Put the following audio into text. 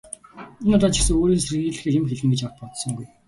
Энэ удаа ч гэсэн өөрийг нь сэрхийлгэхээр юм хэлнэ гэж огт бодсонгүй.